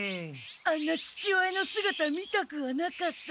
あんな父親のすがた見たくはなかった。